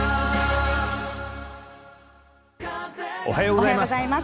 おはようございます。